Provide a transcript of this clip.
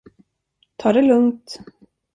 Ta det lugnt!